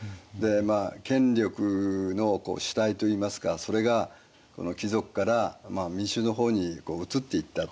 権力の主体といいますかそれが貴族から民衆の方に移っていったというわけですね。